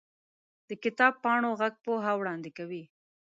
د کتاب پاڼو ږغ پوهه وړاندې کوي.